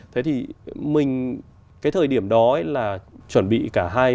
thế thì mình cái thời điểm đó ấy là chuẩn bị cả hai và ba năm